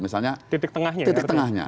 misalnya titik tengahnya